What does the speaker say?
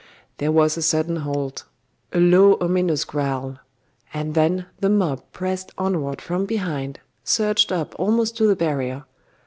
There was a sudden halt; a low ominous growl; and then the mob pressed onward from behind, surged up almost to the barrier.